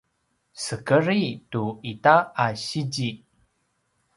sekedri tu ita a sizi